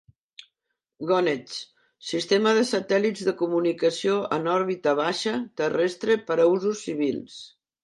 Gonets: sistema de satèl·lits de comunicació en òrbita baixa terrestre per a usos civils.